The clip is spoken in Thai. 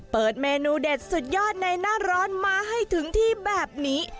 เปิดเมนูเด็ดสุดยอดในหน้าร้อนมาให้ถึงที่แบบนี้